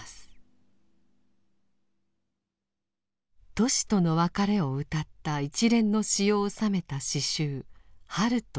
トシとの別れをうたった一連の詩を収めた詩集「春と修羅」。